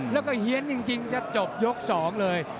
มาเฮียนจริงจบยกสองเลย